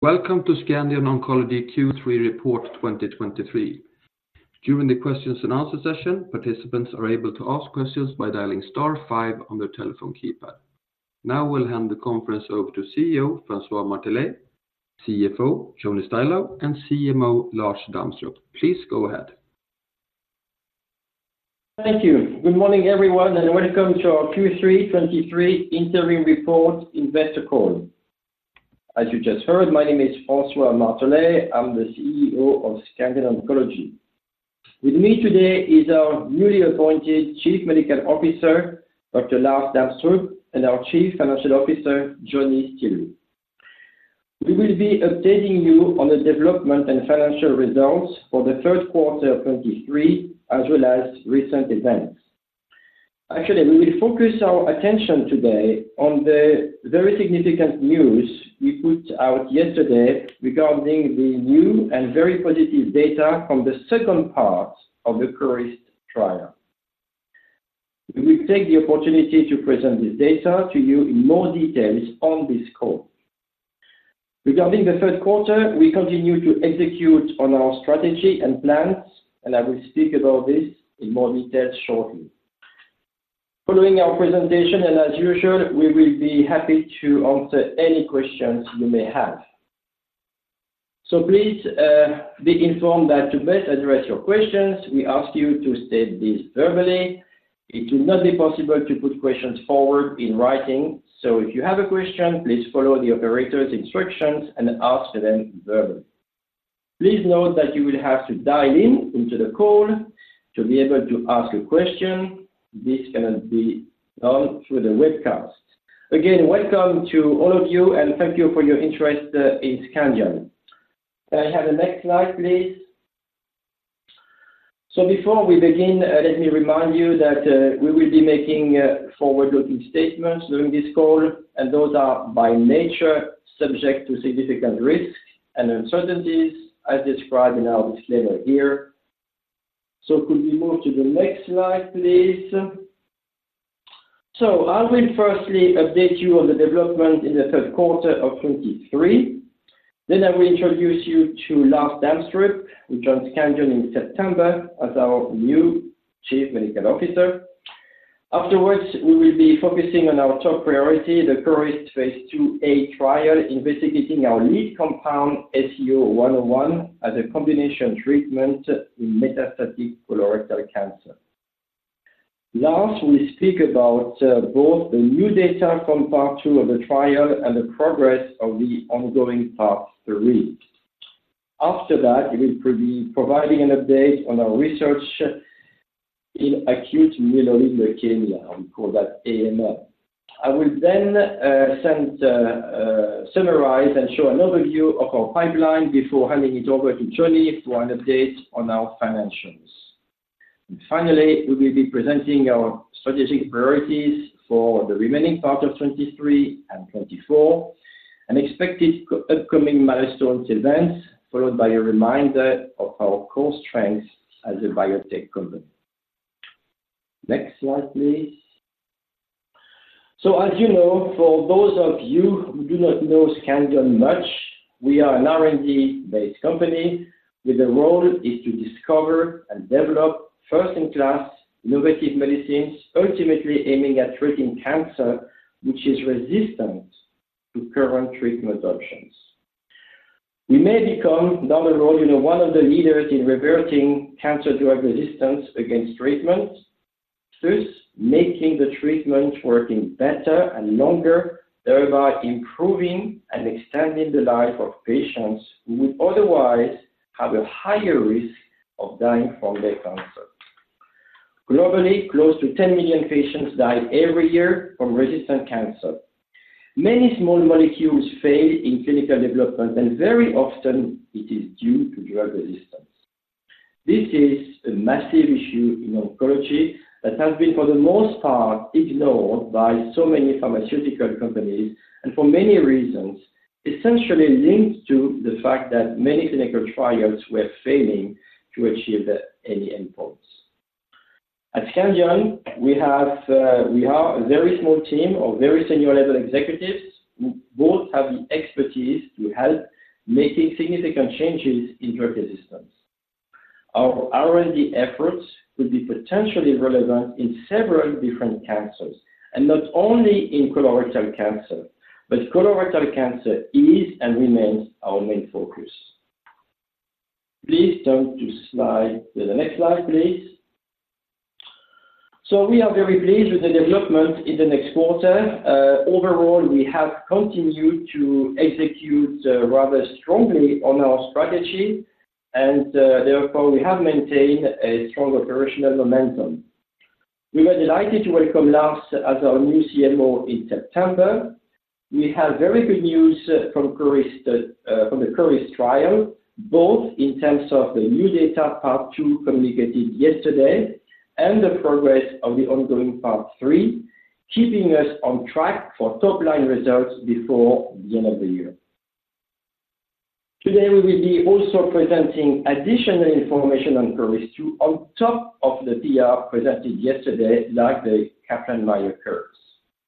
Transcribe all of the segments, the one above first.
Welcome to Scandion Oncology Q3 Report 2023. During the questions and answer session, participants are able to ask questions by dialing star five on their telephone keypad. Now we'll hand the conference over to CEO, Francois Martelet, CFO, Johnny Stilou, and CMO, Lars Damstrup. Please go ahead. Thank you. Good morning, everyone, and welcome to our Q3 2023 interim report investor call. As you just heard, my name is Francois Martelet. I'm the CEO of Scandion Oncology. With me today is our newly appointed Chief Medical Officer, Dr. Lars Damstrup, and our Chief Financial Officer, Johnny Stilou. We will be updating you on the development and financial results for the third quarter of 2023, as well as recent events. Actually, we will focus our attention today on the very significant news we put out yesterday regarding the new and very positive data from the second part of the CORIST trial. We will take the opportunity to present this data to you in more details on this call. Regarding the third quarter, we continue to execute on our strategy and plans, and I will speak about this in more detail shortly. Following our presentation, and as usual, we will be happy to answer any questions you may have. Please, be informed that to best address your questions, we ask you to state this verbally. It will not be possible to put questions forward in writing, so if you have a question, please follow the operator's instructions and ask them verbally. Please note that you will have to dial in into the call to be able to ask a question. This cannot be done through the webcast. Again, welcome to all of you and thank you for your interest, in Scandion. Can I have the next slide, please? Before we begin, let me remind you that, we will be making, forward-looking statements during this call, and those are by nature subject to significant risks and uncertainties as described in our disclaimer here. So could we move to the next slide, please? So I will firstly update you on the development in the third quarter of 2023. Then I will introduce you to Lars Damstrup, who joined Scandion in September as our new Chief Medical Officer. Afterwards, we will be focusing on our top priority, the CORIST phase 2 trial, investigating our lead compound, SCO-101, as a combination treatment in metastatic colorectal cancer. Lars will speak about both the new data from part 2 of the trial and the progress of the ongoing part 3. After that, he will be providing an update on our research in acute myeloid leukemia, we call that AML. I will then summarize and show an overview of our pipeline before handing it over to Johnny for an update on our financials. And finally, we will be presenting our strategic priorities for the remaining part of 2023 and 2024, and expected upcoming milestones events, followed by a reminder of our core strengths as a biotech company. Next slide, please. So, as you know, for those of you who do not know Scandion much, we are an R&D-based company with a role is to discover and develop first-in-class innovative medicines, ultimately aiming at treating cancer, which is resistant to current treatment options. We may become, down the road, you know, one of the leaders in reverting cancer drug resistance against treatments, thus making the treatment working better and longer, thereby improving and extending the life of patients who would otherwise have a higher risk of dying from their cancer. Globally, close to 10 million patients die every year from resistant cancer. Many small molecules fail in clinical development, and very often it is due to drug resistance. This is a massive issue in oncology that has been, for the most part, ignored by so many pharmaceutical companies, and for many reasons, essentially linked to the fact that many clinical trials were failing to achieve the, any endpoints. At Scandion, we have, we are a very small team of very senior level executives who both have the expertise to help making significant changes in drug resistance. Our R&D efforts could be potentially relevant in several different cancers, and not only in colorectal cancer, but colorectal cancer is and remains our main focus. Please turn to slide, to the next slide, please. So we are very pleased with the development in the next quarter. Overall, we have continued to execute rather strongly on our strategy, and therefore, we have maintained a strong operational momentum. We were delighted to welcome Lars as our new CMO in September. We have very good news from CORIST, from the CORIST trial, both in terms of the new data, part two, communicated yesterday and the progress of the ongoing part three, keeping us on track for top-line results before the end of the year. Today, we will be also presenting additional information on CORIST 2 on top of the PR presented yesterday, like the Kaplan-Meier curves.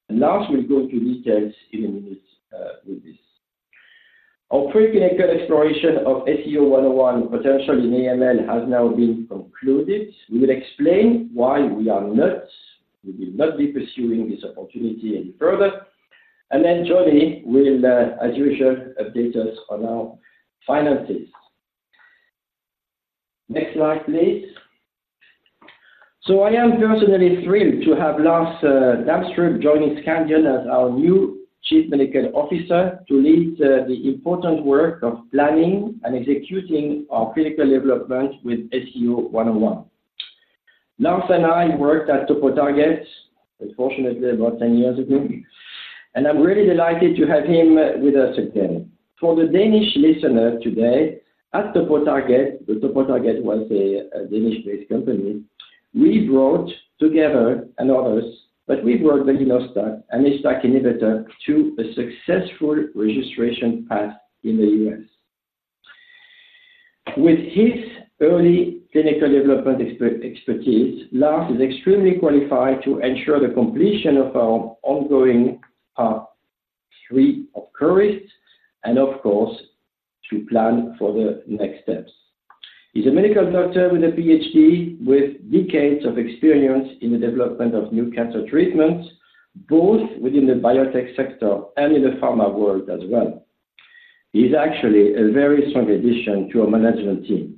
And last, we'll go into details in this with this. Our preclinical exploration of SCO-101 potential in AML has now been concluded. We will explain why we are not, we will not be pursuing this opportunity any further, and then Johnny will, as usual, update us on our finances. Next slide, please. So I am personally thrilled to have Lars Damstrup joining Scandion as our new Chief Medical Officer to lead the important work of planning and executing our clinical development with SCO-101. Lars and I worked at TopoTarget, unfortunately, about 10 years ago, and I'm really delighted to have him with us again. For the Danish listener today, at TopoTarget, TopoTarget was a Danish-based company. We brought together and others, but we brought belinostat, an HDAC inhibitor, to a successful registration path in the U.S. With his early clinical development expertise, Lars is extremely qualified to ensure the completion of our ongoing part three of CORIST, and of course, to plan for the next steps. He's a medical doctor with a Ph.D., with decades of experience in the development of new cancer treatments, both within the biotech sector and in the pharma world as well. He's actually a very strong addition to our management team.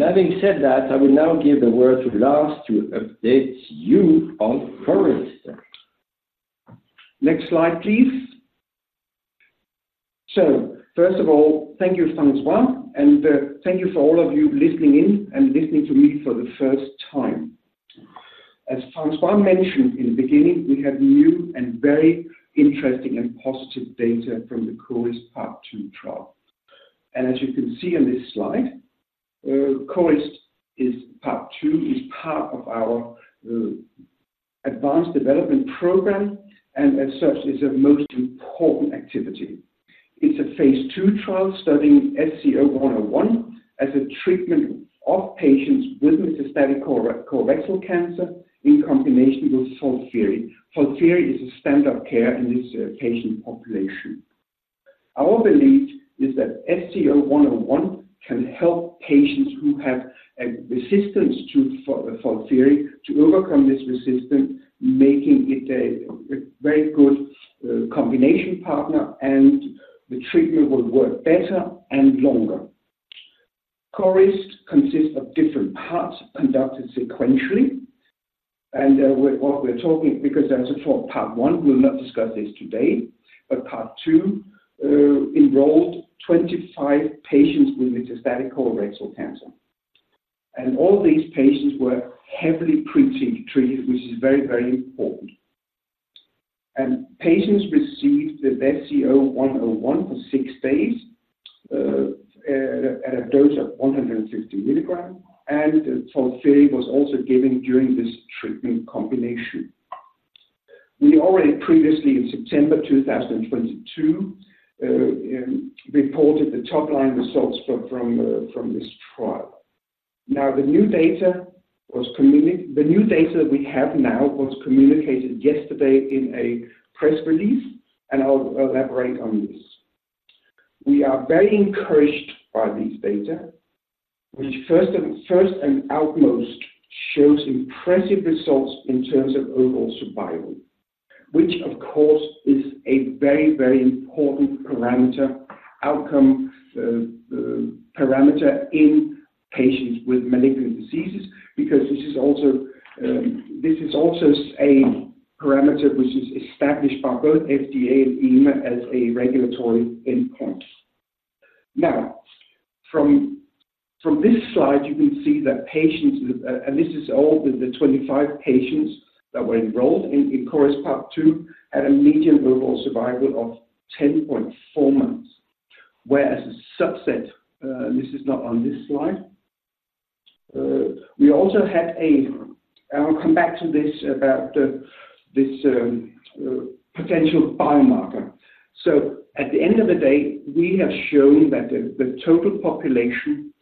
Having said that, I will now give the word to Lars to update you on CORIST. Next slide, please. First of all, thank you, Francois, and thank you for all of you listening in and listening to me for the first time. As Francois mentioned in the beginning, we have new and very interesting and positive data from the CORIST part 2 trial. As you can see on this slide, CORIST part 2 is part of our advanced development program, and as such, is a most important activity. It's a phase 2 trial studying SCO-101 as a treatment of patients with metastatic colorectal cancer in combination with FOLFIRI. FOLFIRI is a standard care in this patient population. Our belief is that SCO-101 can help patients who have a resistance to FOLFIRI to overcome this resistance, making it a very good combination partner and the treatment will work better and longer. CORIST consists of different parts conducted sequentially, and what we're talking about is part two, which enrolled 25 patients with metastatic colorectal cancer. All these patients were heavily pre-treated, which is very, very important. Patients received the SCO-101 for six days at a dose of 150 milligrams, and FOLFIRI was also given during this treatment combination. We already previously, in September 2022, reported the top-line results from this trial. Now, the new data we have now was communicated yesterday in a press release, and I'll elaborate on this. We are very encouraged by these data, which first and foremost shows impressive results in terms of overall survival, which of course is a very, very important parameter, outcome, parameter in patients with malignant diseases, because this is also a parameter which is established by both FDA and EMA as a regulatory endpoint. Now, from this slide, you can see that patients, and this is all the 25 patients that were enrolled in CORIST part two, had a median overall survival of 10.4 months, whereas a subset, this is not on this slide. We also had a... I'll come back to this, about the, this, potential biomarker. So at the end of the day, we have shown that the total population,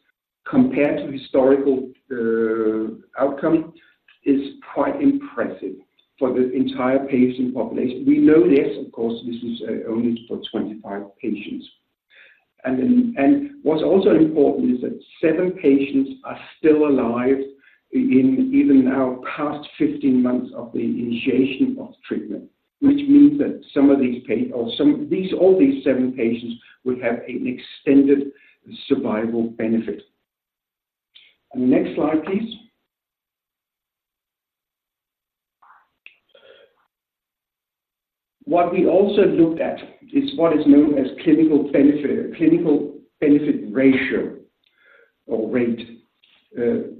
compared to historical outcome, is quite impressive for the entire patient population. We know this, of course, this is only for 25 patients. And then, what's also important is that 7 patients are still alive even now, past 15 months of the initiation of treatment, which means that some of these, all these 7 patients will have an extended survival benefit. Next slide, please. What we also looked at is what is known as clinical benefit, clinical benefit ratio or rate,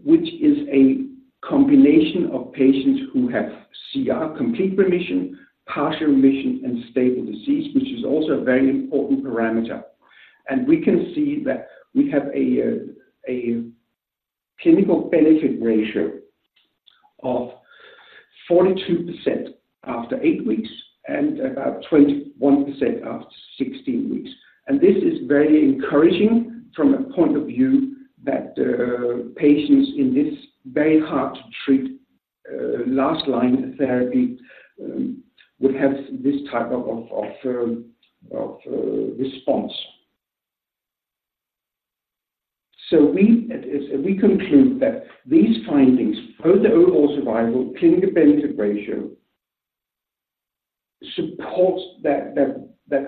which is a combination of patients who have CR, complete remission, partial remission, and stable disease, which is also a very important parameter. And we can see that we have a clinical benefit ratio-... of 42% after 8 weeks and about 21% after 16 weeks. This is very encouraging from a point of view that, patients in this very hard to treat, last line therapy, would have this type of response. So we, as we conclude that these findings, both the overall survival, clinical benefit rate, supports that,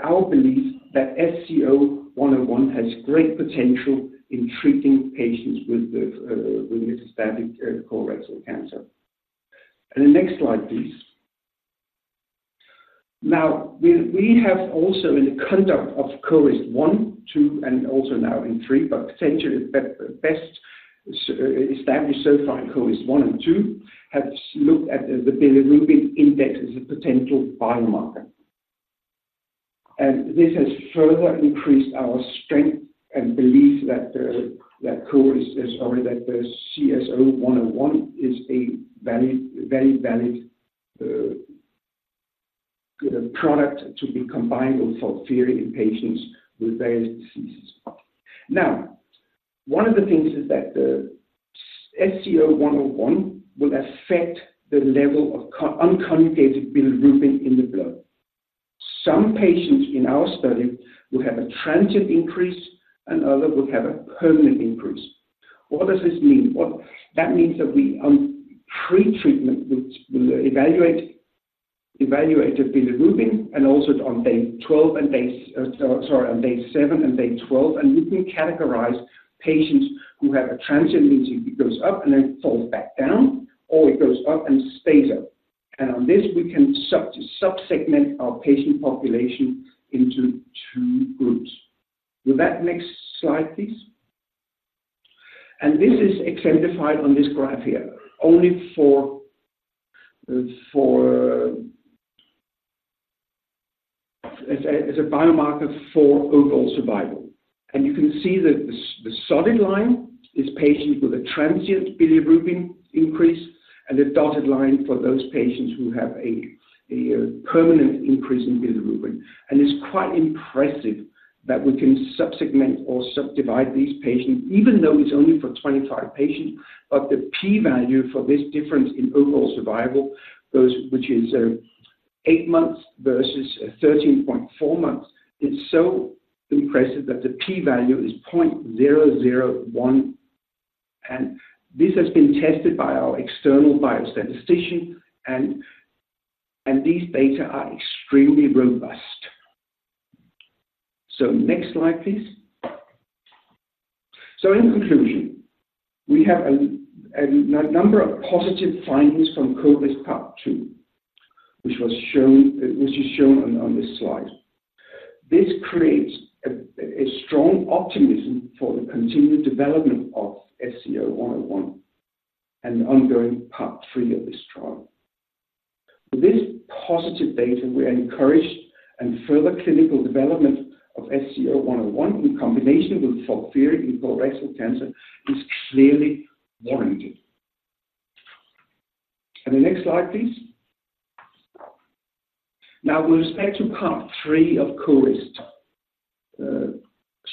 our belief that SCO-101 has great potential in treating patients with, metastatic colorectal cancer. And the next slide, please. Now, we have also in the conduct of CORIST 1, 2, and also now in 3, but potentially best established so far in CORIST 1 and 2, have looked at the Bilirubin Index as a potential biomarker. This has further increased our strength and belief that the, that CORIST is, or that the SCO-101 is a valid, very valid, good product to be combined with FOLFIRI in patients with various diseases. Now, one of the things is that the SCO-101 will affect the level of unconjugated bilirubin in the blood. Some patients in our study will have a transient increase, and others will have a permanent increase. What does this mean? What? That means that we pre-treatment, which we evaluate the bilirubin, and also on day 7 and day 12, and we can categorize patients who have a transient, it goes up and then it falls back down, or it goes up and stays up. On this, we can subsegment our patient population into two groups. With that, next slide, please. This is exemplified on this graph here, only for as a biomarker for overall survival. You can see that the solid line is patients with a transient bilirubin increase, and the dotted line for those patients who have a permanent increase in bilirubin. It's quite impressive that we can subsegment or subdivide these patients, even though it's only for 25 patients. The p-value for this difference in overall survival, those which is 8 months versus 13.4 months, it's so impressive that the p-value is 0.001, and this has been tested by our external biostatistician, and these data are extremely robust. Next slide, please. So in conclusion, we have a number of positive findings from CORIST part 2, which was shown, which is shown on, on this slide. This creates a strong optimism for the continued development of SCO-101, and the ongoing part 3 of this trial. With this positive data, we are encouraged, and further clinical development of SCO-101 in combination with FOLFIRI in colorectal cancer is clearly warranted. And the next slide, please. Now, with respect to part 3 of CORIST,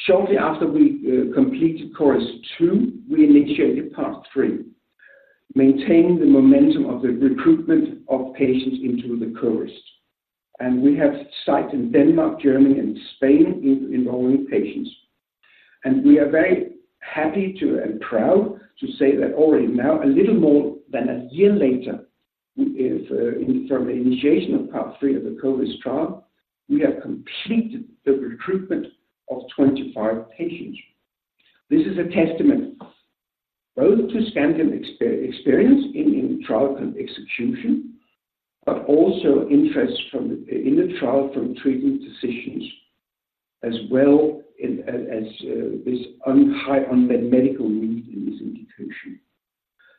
shortly after we completed CORIST 2, we initiated part 3, maintaining the momentum of the recruitment of patients into the CORIST. And we have sites in Denmark, Germany, and Spain, enrolling patients. We are very happy to, and proud to say that already now, a little more than a year later, we is from the initiation of part three of the CORIST trial, we have completed the recruitment of 25 patients. This is a testament both to Scandion experience in trial execution, but also interest from the in the trial from treatment decisions, as well as this high unmet medical need in this indication.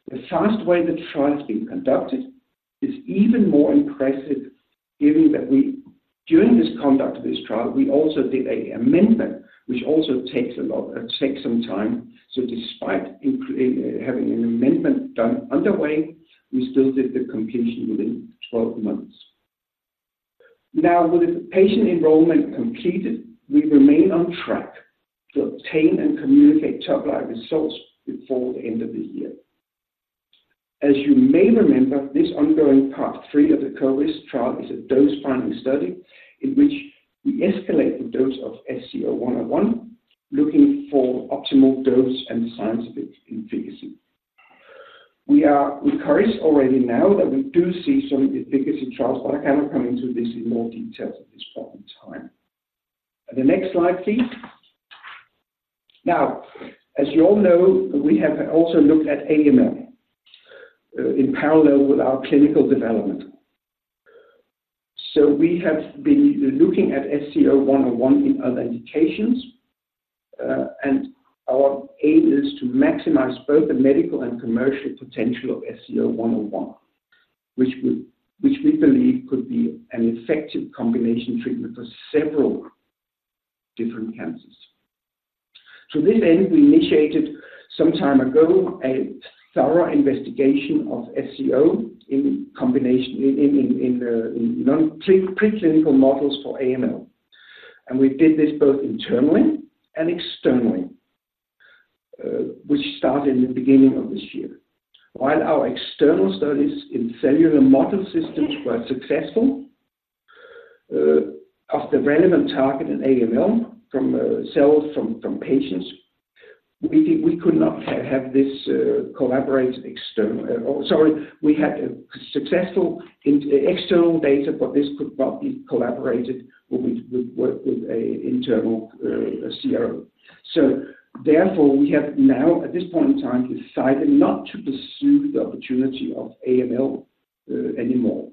The fast way the trial is being conducted is even more impressive, given that we during this conduct of this trial, we also did an amendment, which also takes a lot, takes some time. So despite having an amendment done underway, we still did the completion within 12 months. Now, with the patient enrollment completed, we remain on track to obtain and communicate top-line results before the end of the year. As you may remember, this ongoing part three of the CORIST trial is a dose-finding study, in which we escalate the dose of SCO-101, looking for optimal dose and signs of efficacy. We are encouraged already now that we do see some efficacy trials, but I cannot come into this in more detail at this point in time. The next slide, please. Now, as you all know, we have also looked at AML in parallel with our clinical development. So we have been looking at SCO-101 in other indications, and our aim is to maximize both the medical and commercial potential of SCO-101, which we believe could be an effective combination treatment for several different cancers. To this end, we initiated some time ago a thorough investigation of SCO in combination in the preclinical models for AML. And we did this both internally and externally, which started in the beginning of this year. While our external studies in cellular model systems were successful of the relevant target in AML from cells from patients, we could not have this collaborate externally. Sorry, we had successful external data, but this could not be collaborated when we worked with an internal CRO. So therefore, we have now, at this point in time, decided not to pursue the opportunity of AML anymore.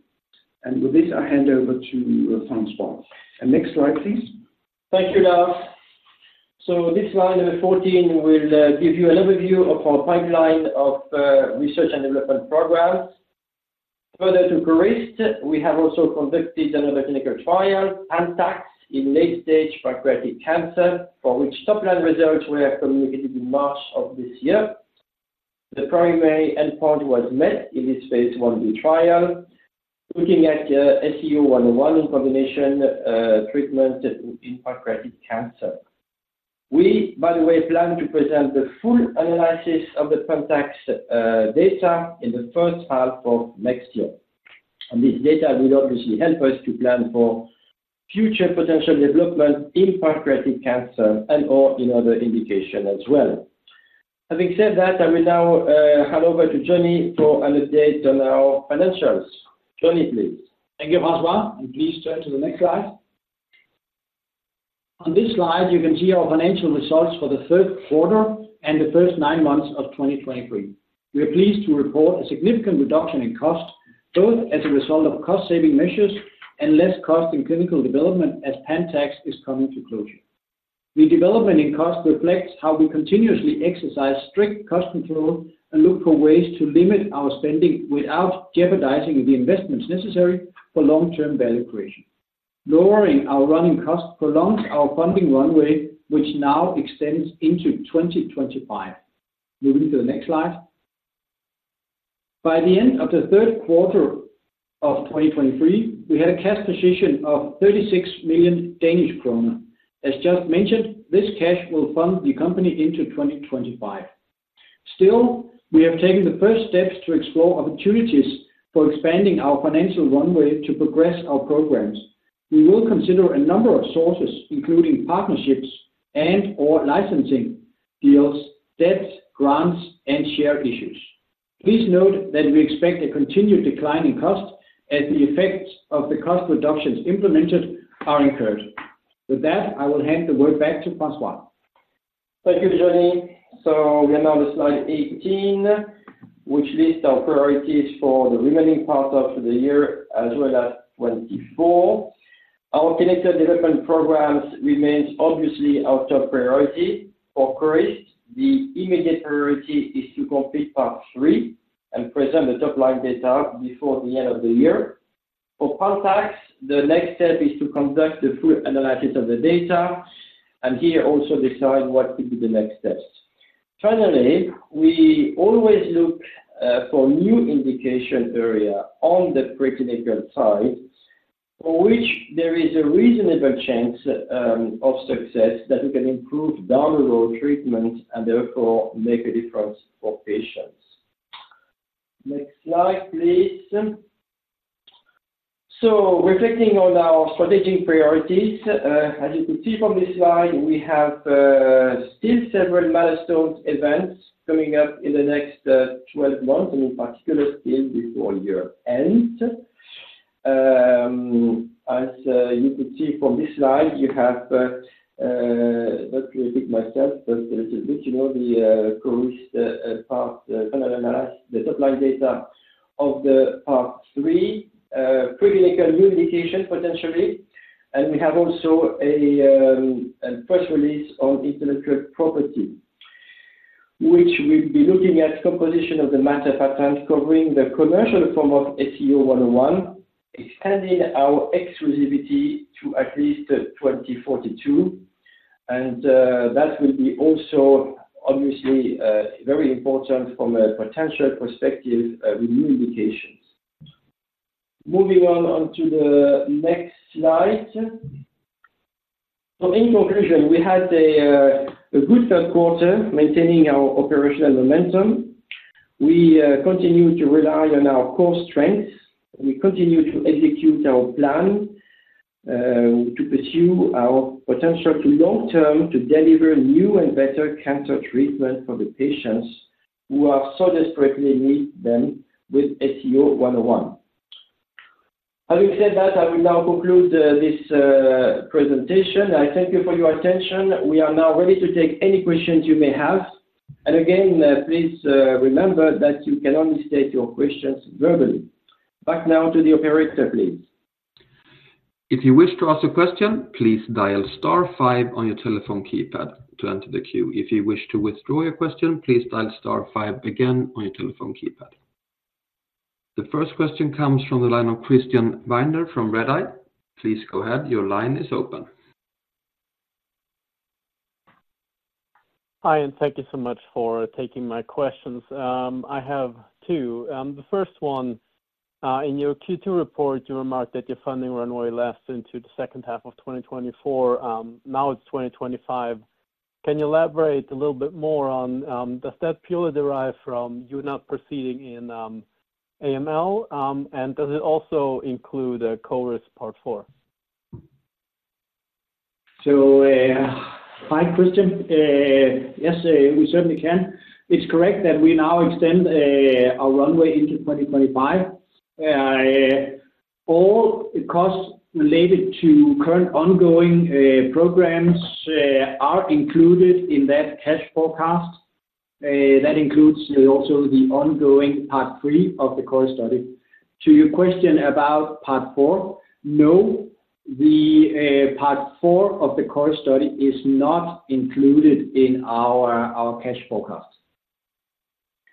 And with this, I hand over to Francois. And next slide, please. Thank you, Lars. So this slide number 14 will give you an overview of our pipeline of research and development programs. Further to CORIST, we have also conducted another clinical trial, PANTAX, in late stage pancreatic cancer, for which top line results were communicated in March of this year. The primary endpoint was met in this phase 1b trial, looking at SCO-101 in combination treatment in pancreatic cancer. We, by the way, plan to present the full analysis of the PANTAX data in the first half of next year. And this data will obviously help us to plan for future potential development in pancreatic cancer and or in other indications as well. Having said that, I will now hand over to Johnny for an update on our financials. Johnny, please. Thank you, François. Please turn to the next slide. On this slide, you can see our financial results for the third quarter and the first nine months of 2023. We are pleased to report a significant reduction in cost, both as a result of cost-saving measures and less cost in clinical development, as PANTAX is coming to closure. The development in cost reflects how we continuously exercise strict cost control and look for ways to limit our spending without jeopardizing the investments necessary for long-term value creation. Lowering our running cost prolongs our funding runway, which now extends into 2025. Moving to the next slide. By the end of the third quarter of 2023, we had a cash position of 36 million Danish kroner. As just mentioned, this cash will fund the company into 2025. Still, we have taken the first steps to explore opportunities for expanding our financial runway to progress our programs. We will consider a number of sources, including partnerships and/or licensing deals, debts, grants, and share issues. Please note that we expect a continued decline in cost as the effects of the cost reductions implemented are incurred. With that, I will hand the word back to Francois. Thank you, Johnny. So we are now on the slide 18, which lists our priorities for the remaining part of the year, as well as 2024. Our connected development programs remains obviously our top priority. For CORIST, the immediate priority is to complete part 3 and present the top line data before the end of the year. For PANTAX, the next step is to conduct the full analysis of the data, and here also decide what could be the next steps. Finally, we always look for new indication area on the preclinical side, for which there is a reasonable chance of success that we can improve down the road treatment and therefore make a difference for patients. Next slide, please. So reflecting on our strategic priorities, as you can see from this slide, we have still several milestone events coming up in the next 12 months, and in particular, still before year-end. As you can see from this slide, you have let me repeat myself just a little bit. You know, the CORIST part analysis, the top-line data of the part three preclinical new indication, potentially. And we have also a press release on intellectual property, which will be looking at composition of the matter patent, covering the commercial form of SCO-101, extending our exclusivity to at least 2042. And that will be also obviously very important from a potential perspective with new indications. Moving on onto the next slide. So in conclusion, we had a good third quarter, maintaining our operational momentum. We continue to rely on our core strengths. We continue to execute our plan to pursue our potential to long term, to deliver new and better cancer treatment for the patients who are so desperately need them with SCO-101. Having said that, I will now conclude this presentation. I thank you for your attention. We are now ready to take any questions you may have. And again, please remember that you can only state your questions verbally. Back now to the operator, please. If you wish to ask a question, please dial star five on your telephone keypad to enter the queue. If you wish to withdraw your question, please dial star five again on your telephone keypad…. The first question comes from the line of Christian Binder from Redeye. Please go ahead. Your line is open. Hi, and thank you so much for taking my questions. I have two. The first one, in your Q2 report, you remarked that your funding runway lasts into the second half of 2024, now it's 2025. Can you elaborate a little bit more on, does that purely derive from you not proceeding in, AML? And does it also include, CORIST part four? So, hi, Christian. Yes, we certainly can. It's correct that we now extend our runway into 2025. All the costs related to current ongoing programs are included in that cash forecast. That includes also the ongoing part 3 of the CORIST study. To your question about part 4, no, the part 4 of the CORIST study is not included in our cash forecast.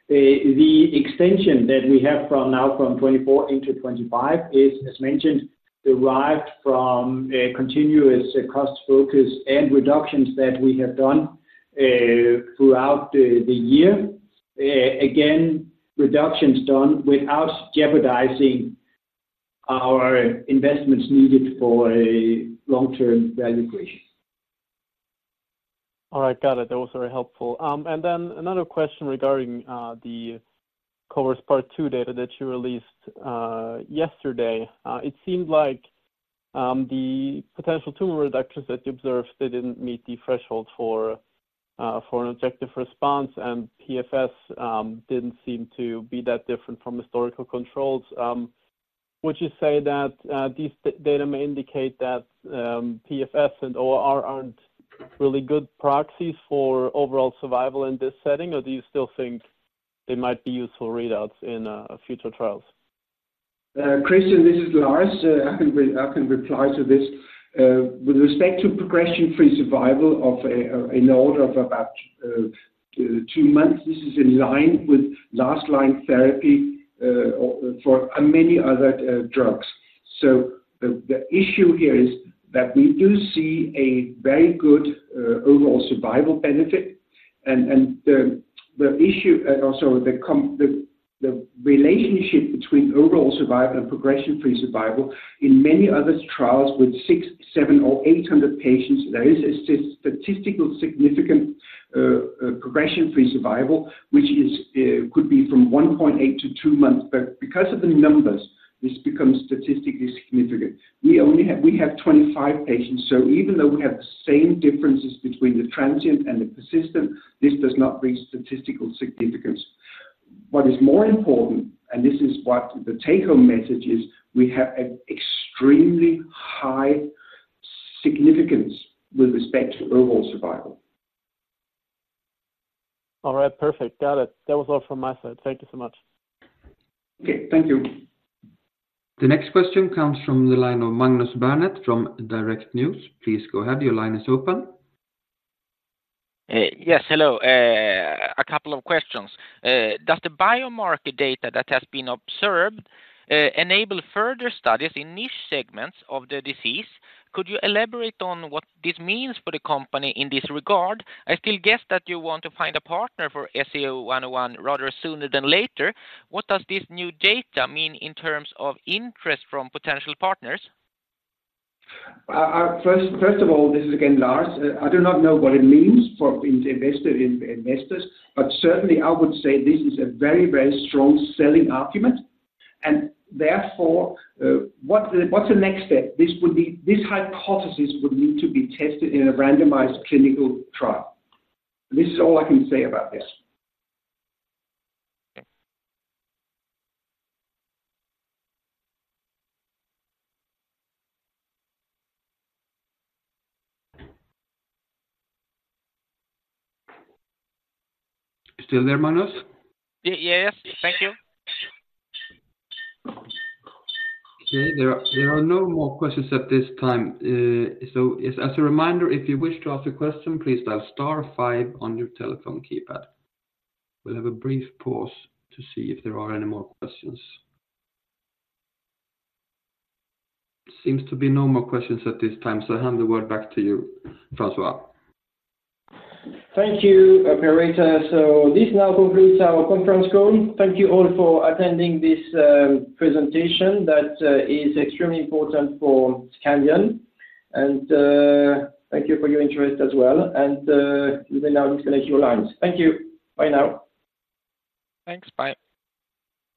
The extension that we have from now from 2024 into 2025 is, as mentioned, derived from a continuous cost focus and reductions that we have done throughout the year. Again, reductions done without jeopardizing our investments needed for a long-term value creation. All right, got it. That was very helpful. And then another question regarding the CORIST part two data that you released yesterday. It seemed like the potential tumor reductions that you observed, they didn't meet the threshold for an objective response, and PFS didn't seem to be that different from historical controls. Would you say that these data may indicate that PFS and OR aren't really good proxies for overall survival in this setting? Or do you still think they might be useful readouts in future trials? Christian, this is Lars. I can reply to this. With respect to progression-free survival of an order of about 2 months, this is in line with last line therapy or for many other drugs. So the issue here is that we do see a very good overall survival benefit. And the issue, and also the relationship between overall survival and progression-free survival in many other trials with 600, 700, or 800 patients, there is a statistically significant progression-free survival, which could be from 1.8-2 months. But because of the numbers, this becomes statistically significant. We have 25 patients, so even though we have the same differences between the transient and the persistent, this does not reach statistical significance. What is more important, and this is what the take-home message is, we have an extremely high significance with respect to overall survival. All right, perfect. Got it. That was all from my side. Thank you so much. Okay, thank you. The next question comes from the line of Magnus Bernet from Direkt News. Please go ahead. Your line is open. Yes, hello. A couple of questions. Does the biomarker data that has been observed enable further studies in niche segments of the disease? Could you elaborate on what this means for the company in this regard? I still guess that you want to find a partner for SCO-101 rather sooner than later. What does this new data mean in terms of interest from potential partners? First of all, this is again Lars. I do not know what it means for an investor, investors, but certainly I would say this is a very, very strong selling argument, and therefore, what's the next step? This hypothesis would need to be tested in a randomized clinical trial. This is all I can say about this. You still there, Magnus? Yes, thank you. Okay, there are no more questions at this time. So as a reminder, if you wish to ask a question, please dial star five on your telephone keypad. We'll have a brief pause to see if there are any more questions. Seems to be no more questions at this time, so I hand the word back to you, Francois. Thank you, operator. This now concludes our conference call. Thank you all for attending this presentation that is extremely important for Scandion, and thank you for your interest as well. You may now disconnect your lines. Thank you. Bye now. Thanks. Bye.